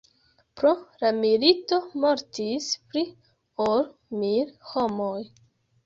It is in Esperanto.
Pro la milito mortis pli ol mil homoj.